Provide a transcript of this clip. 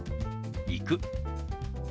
「行く」。